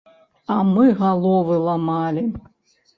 А мы галовы ламалі!